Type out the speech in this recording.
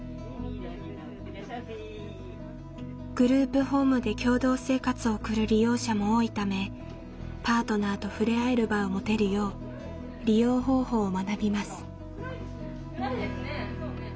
グループホームで共同生活を送る利用者も多いためパートナーと触れ合える場を持てるよう利用方法を学びます。